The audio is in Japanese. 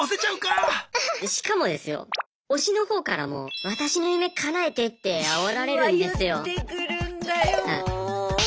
しかもですよ推しの方からもってあおられるんですよ。